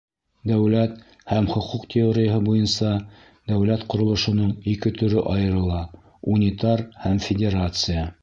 Дәүләт һәм хоҡуҡ теорияһы буйынса дәүләт ҡоролошоноң ике төрө айырыла: унитар һәм федерация.